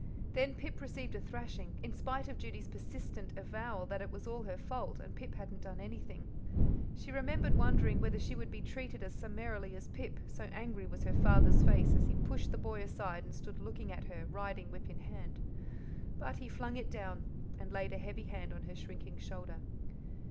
Then Pip received a thrashing, in spite of Judy's persistent avowal that it was all her fault, and Pip hadn't done anything. She remembered wondering whether she would be treated as summarily as Pip, so angry was her father's face as he pushed the boy aside and stood looking at her, riding whip in hand. But he flung it, down and laid a heavy hand on her shrinking shoulder.